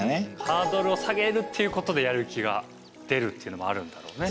ハードルを下げるっていうことでやる気が出るっていうのもあるんだろうね。